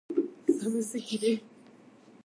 寒すぎる